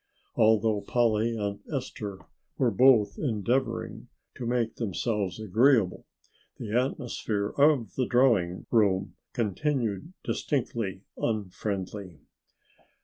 Although Polly and Esther were both endeavoring to make themselves agreeable, the atmosphere of the drawing room continued distinctly unfriendly.